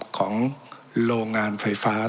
ของโรงงานไฟฟ้า